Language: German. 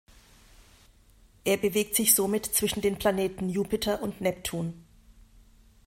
Er bewegt sich somit zwischen den Planeten Jupiter und Neptun.